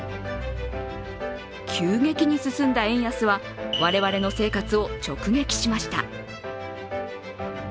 急激に進んだ円安は我々の生活を直撃しました。